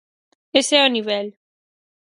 Ese é o nivel.